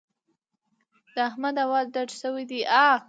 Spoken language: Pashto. د احمد اواز ډډ شوی دی.